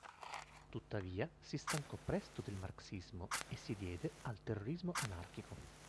Tuttavia, si stancò presto del Marxismo e si diede al terrorismo anarchico.